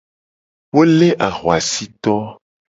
Wo le ahuasito.